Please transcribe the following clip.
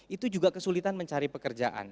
itu juga kesulitan mencari pekerjaan